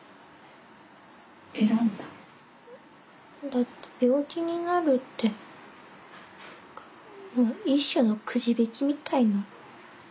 選んだ？だって病気になるって一種のくじびきみたいな。